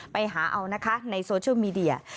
ไปหาเอานะคะในโซเชียลมีเดีย